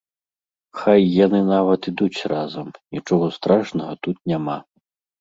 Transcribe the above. Хай яны нават ідуць разам, нічога страшнага тут няма.